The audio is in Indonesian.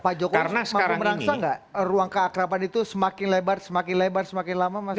pak joko maka merasa nggak ruang keakapan itu semakin lebar semakin lebar semakin lama mas joko